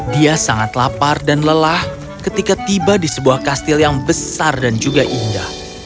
dia sangat lapar dan lelah ketika tiba di sebuah kastil yang besar dan juga indah